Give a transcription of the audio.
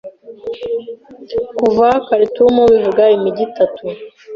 kuva Khartoum bivuga imigi itatu